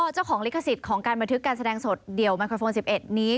เจ้าของลิขสิทธิ์ของการบันทึกการแสดงสดเดี่ยวไมโครโฟน๑๑นี้